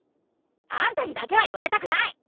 あんたにだけは言われたくない！